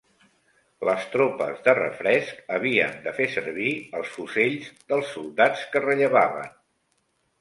Les tropes de refresc havien de fer servir els fusells dels soldats que rellevaven.